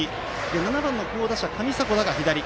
７番の好打者、上迫田が左。